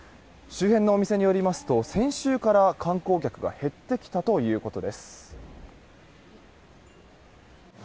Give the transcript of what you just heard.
周辺のお店によりますと先週から観光客が減ってきたということです。